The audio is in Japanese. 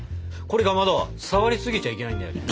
これかまど触りすぎちゃいけないんだよね。